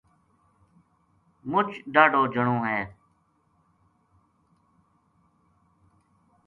مچ ڈاہڈو جنو ہے